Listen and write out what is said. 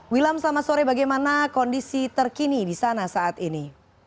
wilam selamat sore bagaimana kondisi terkini di sana saat ini